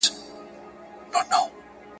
نور پر دوی وه قرآنونه قسمونه !.